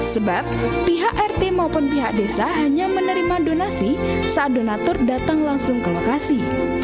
sebab pihak rt maupun pihak desa hanya menerima donasi saat donatur datang langsung ke lokasi